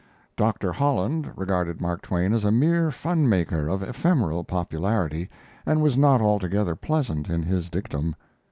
Doctor Holland regarded Mark Twain as a mere fun maker of ephemeral popularity, and was not altogether pleasant in his dictum.